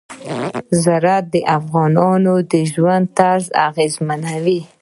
زراعت د افغانانو د ژوند طرز اغېزمنوي.